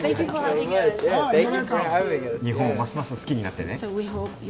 日本をますます好きになってね。